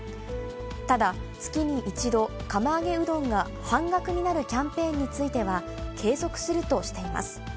ただ、月に１度、釜揚げうどんが半額になるキャンペーンについては、継続するとしています。